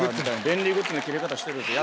便利グッズの切れ方してる。